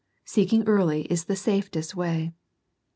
Seeking early is the safest way.